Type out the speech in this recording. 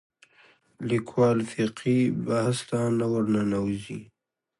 لیکوال فقهي بحث ته نه ورننوځي